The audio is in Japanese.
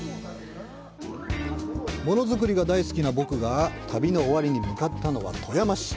ものづくりが大好きな僕が旅の終わりに向かったのは富山市。